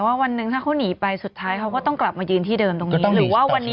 ว่าวันนี้เราชัดเจนเลยด้วย